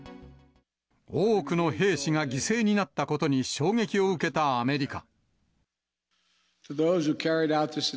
多くの兵士が犠牲になったことに衝撃を受けたアメリカ。